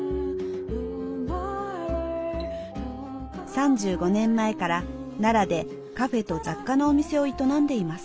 ３５年前から奈良でカフェと雑貨のお店を営んでいます。